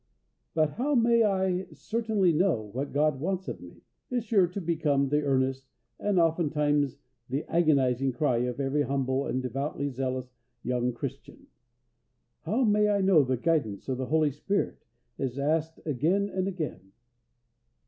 "But how may I certainly know what God wants of me?" is sure to become the earnest and, oftentimes, the agonising cry of every humble and devoutly zealous young Christian. "How may I know the guidance of the Holy Spirit?" is asked again and again.